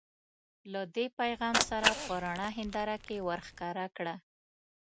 له دې پیغام سره په رڼه هنداره کې ورښکاره کړه.